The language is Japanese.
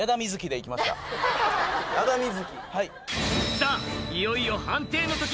さあいよいよ判定の時！